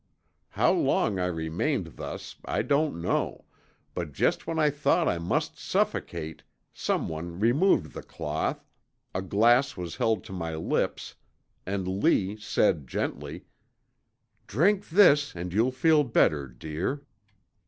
How long I remained thus I don't know, but just when I thought I must suffocate, someone removed the cloth, a glass was held to my lips, and Lee said, gently: "'Drink this and you'll feel better, dear.'